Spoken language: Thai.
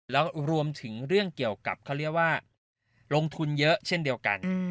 แล้วรวมถึงเรื่องเกี่ยวกับเขาเรียกว่าลงทุนเยอะเช่นเดียวกัน